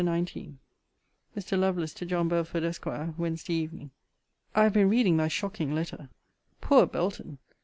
LETTER XIX MR. LOVELACE, TO JOHN BELFORD, ESQ. WEDN. EVENING. I have been reading thy shocking letter Poor Belton!